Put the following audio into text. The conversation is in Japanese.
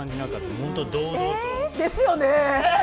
本当堂々と。ですよね。